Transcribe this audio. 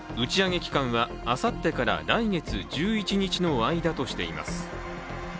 打ち上げ期間は、あさってから来月１１日の間としています。